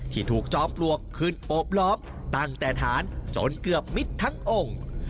ที่ถูกจอมปลวกขึ้นโอบล้อมตั้งแต่ฐานจนเกือบมิดทั้งองค์